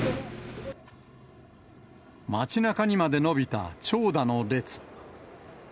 街なかにまで伸びた長蛇の列。